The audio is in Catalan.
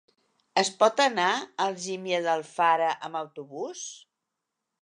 Es pot anar a Algímia d'Alfara amb autobús?